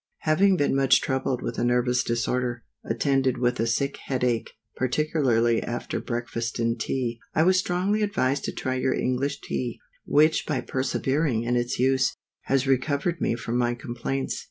_ HAVING been much troubled with a nervous disorder, attended with a sick head ache, particularly after breakfast and tea: I was strongly advised to try your English Tea, which by persevering in its use, has recovered me from my complaints.